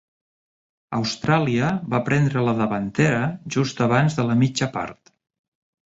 Austràlia va prendre la davantera just abans de la mitja part.